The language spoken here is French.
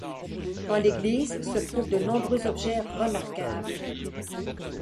En l'église se trouvent de nombreux objets remarquables.